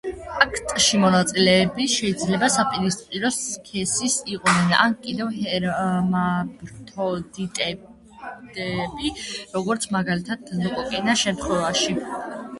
აქტში მონაწილეები შეიძლება საპირისპირო სქესის იყვნენ, ან კიდევ ჰერმაფროდიტები, როგორც მაგალითად ლოკოკინას შემთხვევაში.